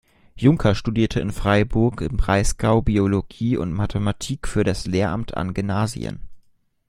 Junker studierte in Freiburg im Breisgau Biologie und Mathematik für das Lehramt an Gymnasien.